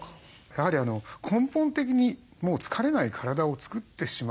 やはり根本的にもう疲れない体を作ってしまおうと。